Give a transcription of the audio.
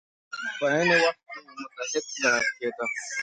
په عین وخت کې یو متحد ګڼل کېده.